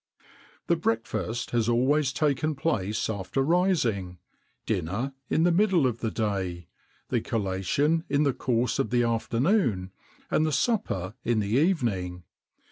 [XXIX 64] The breakfast has always taken place after rising; dinner in the middle of the day; the collation in the course of the afternoon; and the supper in the evening.